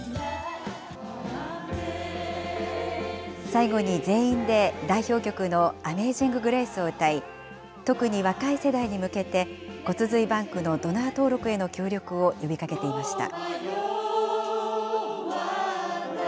最後に全員で代表曲のアメイジング・グレイスを歌い、特に若い世代に向けて、骨髄バンクのドナー登録への協力を呼びかけていました。